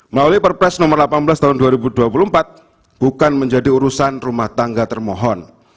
melalui perpres nomor delapan belas tahun dua ribu dua puluh empat bukan menjadi urusan rumah tangga termohon